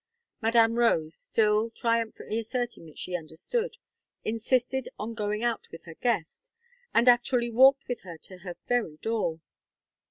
Madame Rose, still triumphantly asserting that she understood, insisted on going out with her guest, and actually walked with her to her very door.